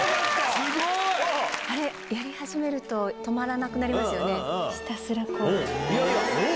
すごい。あれ、やり始めると止まらなくなりますよね、ひたすらこう。